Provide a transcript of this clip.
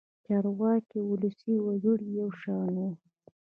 چارواکي او ولسي وګړي یو شان وو.